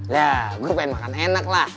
ya gue pengen makan enak lah